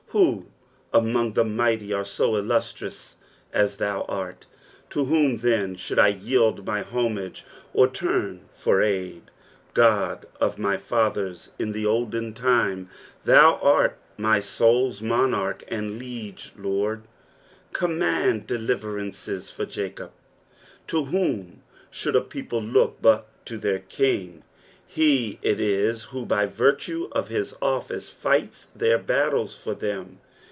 Who among the mighty are so illustrious as thou art ? To whom, then, should I yield my homage or turn for aid ? God of my fathers in the olden time, thou art my soul's monarch and liege Lord. "Command deliterancea for JaaA." To whom should a Cople look but to their king ) he it is who, by virtue of his office, fights their ttles for them.